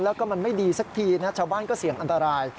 แล้วก็มันไม่ดีสักทีนะชาวบ้านก็เสี่ยงอันตราย